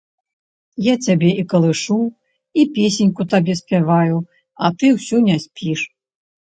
Я цябе і калышу і песеньку табе спяваю, а ты ўсё не спіш.